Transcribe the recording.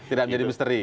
tidak menjadi misteri